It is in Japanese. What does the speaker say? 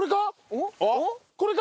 おっ！